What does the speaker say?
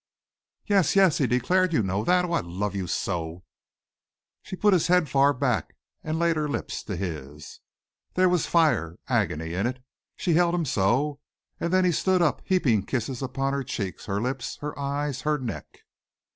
"Yes, yes," he declared. "You know that. Oh, I love you so." She put his head far back and laid her lips to his. There was fire, agony in it. She held him so and then he stood up heaping kisses upon her cheeks, her lips, her eyes, her neck.